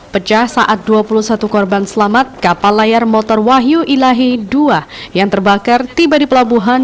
pecah saat dua puluh satu korban selamat kapal layar motor wahyu ilahi dua yang terbakar tiba di pelabuhan